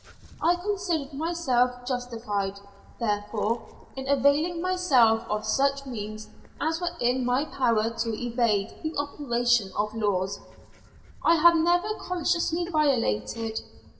I considered myself justified, therefore, in availing myself of such means as were in my power to evade the operation of laws I had never consciously violated.